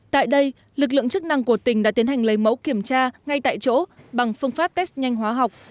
tại đây lực lượng chức năng của tỉnh đã tiến hành lấy mẫu kiểm tra ngay tại chỗ bằng phương pháp test nhanh hóa học